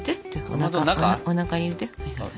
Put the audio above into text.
おなかに入れて。